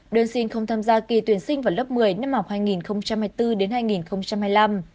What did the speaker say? đơn xin không tham gia kỳ tuyển sinh vào lớp một mươi năm học hai nghìn hai mươi bốn đến hai nghìn hai mươi năm